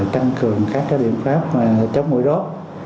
tăng cường các biện pháp chống mũi đốt